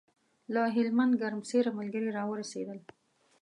له هلمند ګرمسېره ملګري راورسېدل.